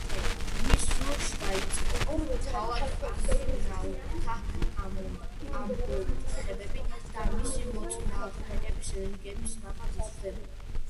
მის ზურგში დაიწყო თავად-აზნაურთა ამბოხებები, და მისი მოწინააღმდეგების რიგები სწრაფად იზრდებოდა.